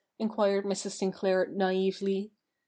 enquired Mrs. Sinclair naively.